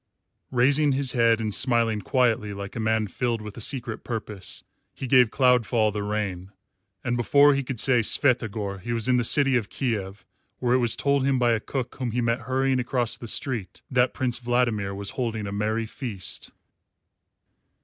Raising his head and smiling quietly like a man filled with a secret purpose, he gave Cloudfall the rein, and before he could say "Svyatogor" he was in the city of Kiev, where it was told him by a cook whom he met hurrying across the street that Prince Vladimir was holding a merry feast.